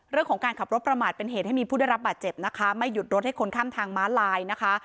เรื่องของการขับรถประมาทเป็นเหตุให้มีผู้ได้รับบาดเจ็บนะคะไม่หยุดรถให้คนข้ามทางม้าลายนะคะ